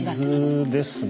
水ですね